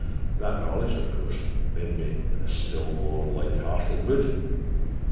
That knowledge, of course, made me in a still more light hearted mood.